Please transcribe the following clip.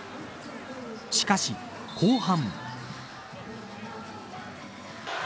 しかし、後半。